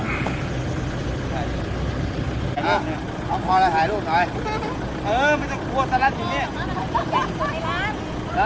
ไม่เห็นได้ตอนถัดอ่ะอย่าอาฟากอ่ะ